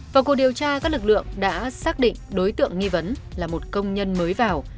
vào cuộc điều tra các lực lượng đã xác định đối tượng nghi vấn là một công nhân mới vào